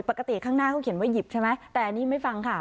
ข้างหน้าเขาเขียนว่าหยิบใช่ไหมแต่อันนี้ไม่ฟังค่ะ